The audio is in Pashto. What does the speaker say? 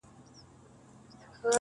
په خمير كي يې فساد دئ ور اخښلى -